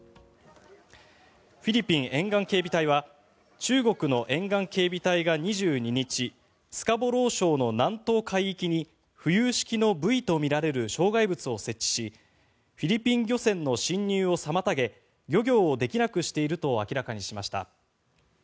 フィリピン沿岸警備隊は中国の沿岸警備隊が２２日スカボロー礁の南東海域に浮遊式のブイとみられる障害物を設置しフィリピン漁船の進入を妨げ漁業をできなくしていると明らかにしました。